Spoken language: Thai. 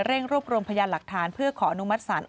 รวบรวมพยานหลักฐานเพื่อขออนุมัติศาล